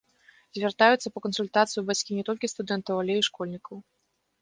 Звяртаюцца па кансультацыю бацькі не толькі студэнтаў, але і школьнікаў.